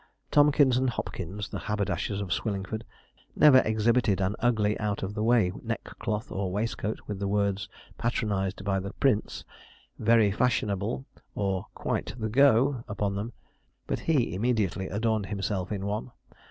Tomkins and Hopkins, the haberdashers of Swillingford, never exhibited an ugly out of the way neckcloth or waistcoat with the words 'patronized by the Prince,' 'very fashionable,' or 'quite the go,' upon them, but he immediately adorned himself in one.